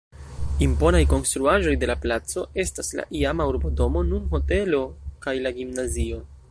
Imponaj konstruaĵoj de la placo estas la iama urbodomo, nun hotelo kaj la gimnazio.